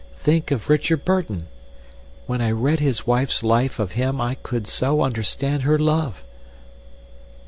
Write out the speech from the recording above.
Think of Richard Burton! When I read his wife's life of him I could so understand her love!